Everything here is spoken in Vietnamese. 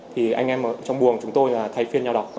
thì anh em trong buồng chúng tôi là thầy phiên nhau đọc